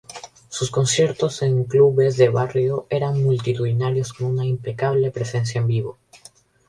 Sus conciertos en clubes de barrios eran multitudinarios con una impecable presencia en vivo.